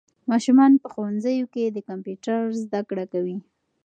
ماشومان په ښوونځیو کې د کمپیوټر زده کړه کوي.